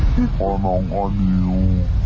พี่พ่อน้องออนิม